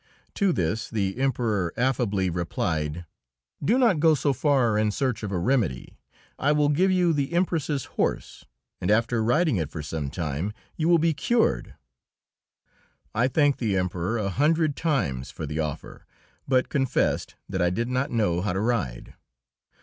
To this the Emperor affably replied: "Do not go so far in search of a remedy. I will give you the Empress's horse, and after riding it for some time you will be cured." I thanked the Emperor a hundred times for the offer, but confessed that I did not know how to ride.